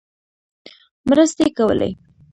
مرستې کولې.